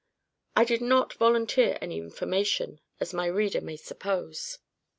I did not volunteer any information, as my reader may suppose.